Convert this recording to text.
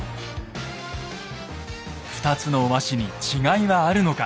２つの和紙に違いはあるのか。